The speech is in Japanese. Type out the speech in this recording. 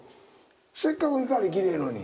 せっかく光きれいやのに。